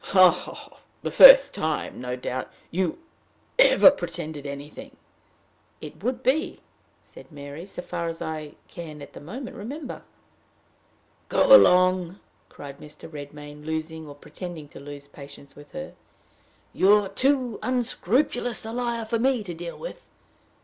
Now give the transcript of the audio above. "Ha! ha! The first time, no doubt, you ever pretended anything!" "It would be," said Mary, "so far as I can, at the moment, remember." "Go along," cried Mr. Redmain, losing, or pretending to lose, patience with her; "you are too unscrupulous a liar for me to deal with."